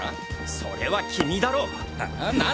それは君だろ？